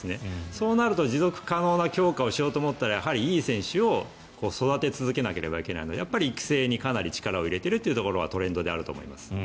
そうなると持続可能な強化をしようと思ったらやはりいい選手を育て続けなければいけないのでやっぱり育成にかなり力を入れているというところはトレンドであると思います。